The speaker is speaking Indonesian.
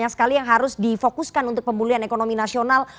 banyak sekali yang harus difokuskan untuk pemulihan ekonomi nasional